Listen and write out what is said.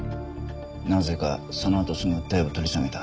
なぜかそのあとすぐ訴えを取り下げた。